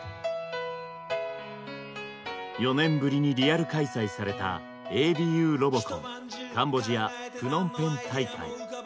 ４年ぶりにリアル開催された「ＡＢＵロボコンカンボジア・プノンペン大会」。